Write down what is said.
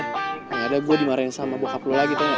gak ada gua dimarahin sama bokap lo lagi tau gak